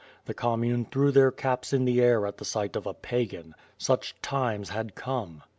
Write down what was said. The commune threw their caps in the air at the sight of a Pagan — such times had come!